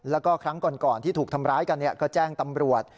แล้วก็ครั้งก่อนที่ถูกทำร้ายกันก็แจ้งตำรวจ